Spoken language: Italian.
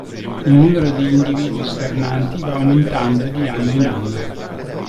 Il numero di individui svernanti va aumentando di anno in anno.